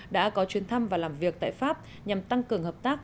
đã có chuyến thăm và làm việc tại pháp nhằm tăng cường hợp tác